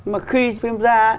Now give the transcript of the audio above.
mà khi phim ra